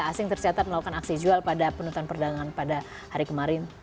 asing tercatat melakukan aksi jual pada penutupan perdagangan pada hari kemarin